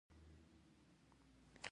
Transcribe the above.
پاچا د خلکو تر منځ توپيري چلند کوي .